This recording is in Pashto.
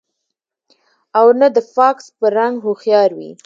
او نۀ د فاکس پۀ رنګ هوښيار وي